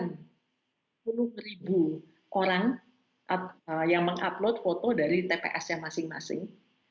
dan sepuluh orang yang mengupload foto dari tpsnya masing masing